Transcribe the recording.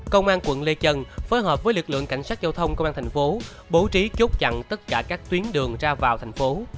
công an quận lê chân phối hợp với lực lượng cảnh sát giao thông công an thành phố bố trí chốt chặn tất cả các tuyến đường ra vào thành phố